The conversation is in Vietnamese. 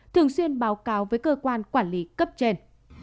thường xuyên báo cáo với cơ quan quản lý cấp trên